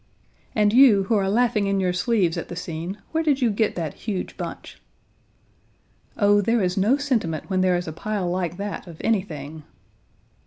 "And you, who are laughing in your sleeves at the scene, where did you get that huge bunch?" "Oh, there is no sentiment when there is a pile like that of anything!"